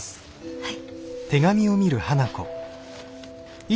はい。